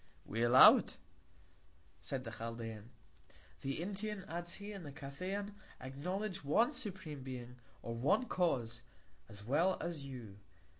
We allow it, said the Chaldean. The Indian, adds he, and the Cathayan, acknowledge one supreme Being, or first Cause, as well as you.